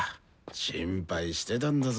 心配してたんだぞ。